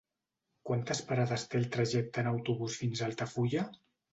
Quantes parades té el trajecte en autobús fins a Altafulla?